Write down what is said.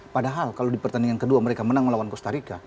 padahal kalau di pertandingan kedua mereka menang melawan costa rica